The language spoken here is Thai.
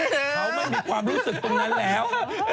เขาไม่มีความรู้สึกตรงนั้นแล้ว